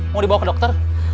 mau dibawa ke dokter